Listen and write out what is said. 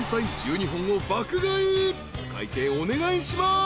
［お会計お願いします］